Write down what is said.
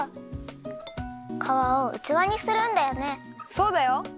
そうだよ！